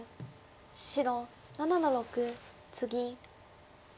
白７の六ツギ。